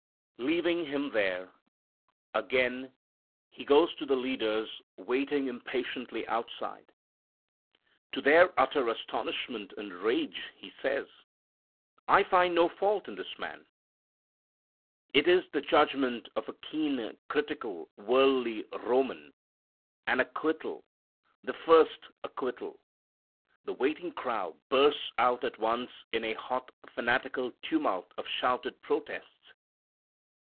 Leaving Him there, again he goes to the leaders waiting impatiently outside. To their utter astonishment and rage he says, "I find no fault in this man." It is the judgment of a keen, critical, worldly Roman; an acquittal, the first acquittal. The waiting crowd bursts out at once in a hot, fanatical tumult of shouted protests.